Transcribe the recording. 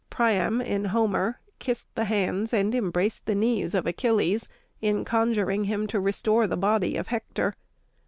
Priam, in Homer, kissed the hands and embraced the knees of Achilles in conjuring him to restore the body of Hector.